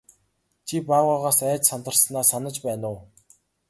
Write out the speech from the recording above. Чи баавгайгаас айж сандарснаа санаж байна уу?